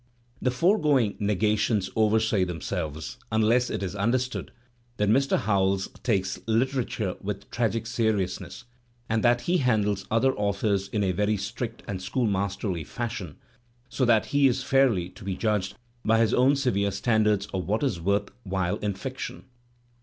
The foregoing negations oversay themselves, unless it is understood that Mr. Howells takes literature with tragic seriousness and that he handles other authors in a very strict and schoolmasterly fashion; so that he is fairly to be judged by his own severe standards of what is worth while in fiction.